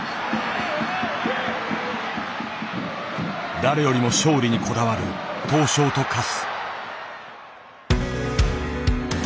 誰よりも勝利にこだわる闘将と化す。